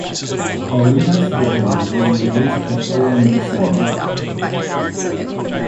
A Linux version was released the following December.